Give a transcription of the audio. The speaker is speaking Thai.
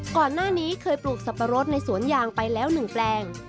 ก่อนหน้านี้เคยปลูกสับปะรดในสวนยางไปแล้ว๑แปลง